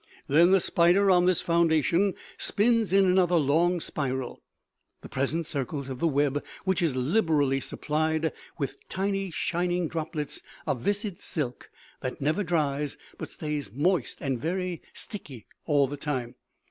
"Then the spider, on this foundation, spins in another long spiral, the present circles of the web, which is liberally supplied with tiny, shining droplets of viscid silk that never dries, but stays moist and very sticky all the time.